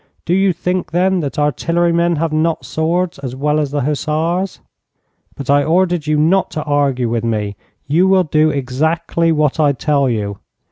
Do you think, then, that artillerymen have not swords as well as the hussars? But I ordered you not to argue with me. You will do exactly what I tell you.